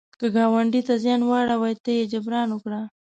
که ګاونډي ته زیان واړوي، ته یې جبران وکړه